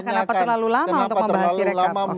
membantah kenapa terlalu lama untuk membahasi rekap